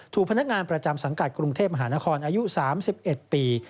พนักงานประจำสังกัดกรุงเทพมหานครอายุ๓๑ปี